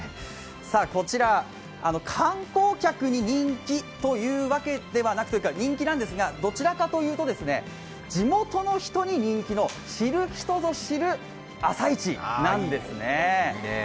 こちら観光客に人気というわけではなく、人気なんですがどちらかというと、地元の人に人気の知る人ぞ知る朝市なんですね。